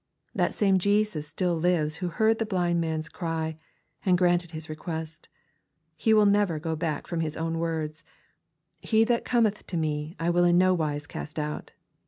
That same Jesus still lives who heard the blind man's cry. and granted his request. He will never go back from His own words, —" Him that cometh to me, I will in no wise cast out."